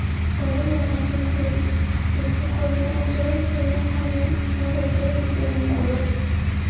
Hoy el Dramaten de Estocolmo otorga el Premio O’Neill, en recuerdo de ese vínculo.